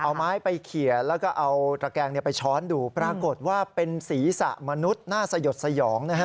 เอาไม้ไปเขียนแล้วก็เอาตระแกงไปช้อนดูปรากฏว่าเป็นศีรษะมนุษย์น่าสยดสยองนะฮะ